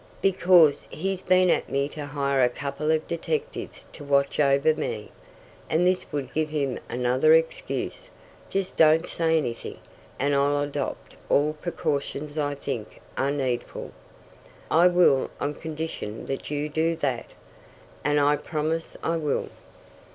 "Because he's been at me to hire a couple of detectives to watch over me, and this would give him another excuse. Just don't say anything, and I'll adopt all the precautions I think are needful." "I will on condition that you do that." "And I promise I will."